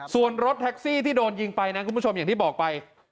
ส่วนรถแท็กซี่ที่โดนยิงไปนะคุณผู้ชมอย่างที่บอกไป